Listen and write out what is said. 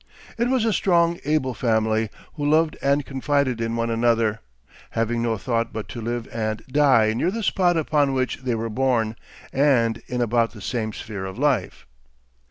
It was a strong, able family, who loved and confided in one another, having no thought but to live and die near the spot upon which they were born, and in about the same sphere of life.